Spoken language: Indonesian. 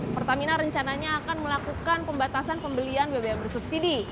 pertamina rencananya akan melakukan pembatasan pembelian bbm bersubsidi